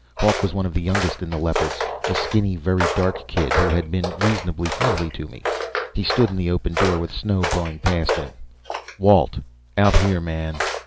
Hawk was one of the youngest in the Leopards, a skinny, very dark kid who had been reasonably friendly to me. He stood in the open door, with snow blowing in past him. "Walt. Out here, man."